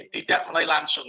tidak mulai langsung